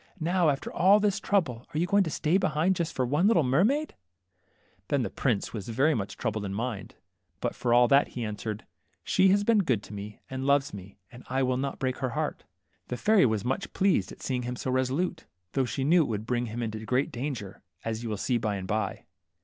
Now, after all this trouble, are you go ing to stay behind just for one little mermaid ?" Then the prince was very much troubled in mind, but for all that he answered, She has been good to me and loves me, and I will not break her heart." The fairy was much pleased at seeing him sp resolute, though she knew it would bring him into 14 THE MERMAID. great danger, as you will see by and by.